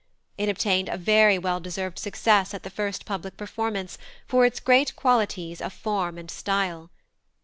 It obtained a very well deserved success at the first public performance for its great qualities of form and style.